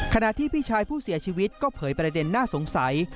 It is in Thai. ขณะที่พี่ชายผู้เสียชีวิตก็เผยประเด็นน่าสงสัย